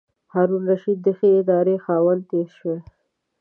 هارون الرشید د ښې ادارې خاوند تېر شوی.